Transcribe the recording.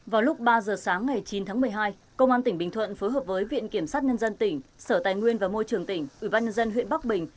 vào lúc ba h sáng ngày chín tháng một mươi hai công an tỉnh bình thuận phối hợp với viện kiểm sát nhân dân tỉnh sở tài nguyên và môi trường tỉnh ủy ban nhân dân huyện bắc bình